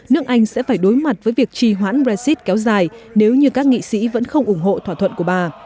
nước anh sẽ phải đối mặt với việc trì hoãn brexit kéo dài nếu như các nghị sĩ vẫn không ủng hộ thỏa thuận của bà